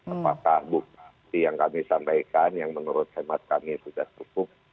apakah bukti yang kami sampaikan yang menurut hemat kami sudah cukup